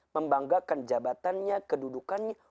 membanggakan jabatannya kedudukannya